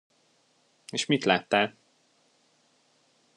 És mit láttál?